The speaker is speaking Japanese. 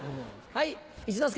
はい。